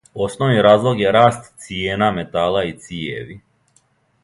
Основни разлог је раст цијена метала и цијеви.